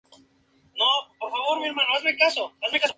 Rolla impregna toda la película con un toque de poesía.